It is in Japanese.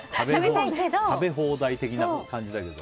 食べ放題的な感じだけど。